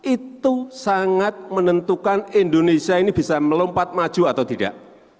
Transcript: itu sangat menentukan indonesia ini bisa melompat maju atau tidak